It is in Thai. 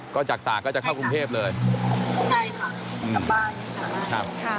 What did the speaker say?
ก็จากตากก็จะเข้ากรุงเทพเลยใช่ค่ะกลับบ้านค่ะครับค่ะ